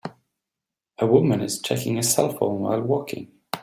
A woman is checking a cellphone while walking.